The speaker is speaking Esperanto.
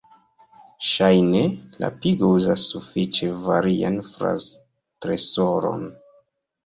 Ŝajne la pigo uzas sufiĉe varian fraz-tresoron.